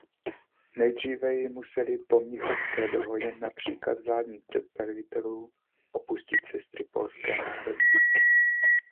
Nejdříve ji musely po Mnichovské dohodě na příkaz vládních představitelů opustit sestry polské národnosti.